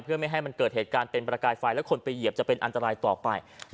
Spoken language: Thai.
เพื่อไม่ให้มันเกิดเหตุการณ์เป็นประกายไฟแล้วคนไปเหยียบจะเป็นอันตรายต่อไป